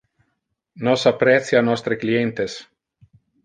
Nos apprecia nostre clientes.